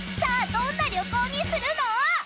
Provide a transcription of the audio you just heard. どんな旅行にするの？］